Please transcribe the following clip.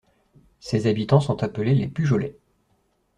Ses habitants sont appelés les Pujolais.